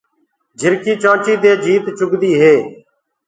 جھرڪي چونچي دي جيت گِٽدي هي۔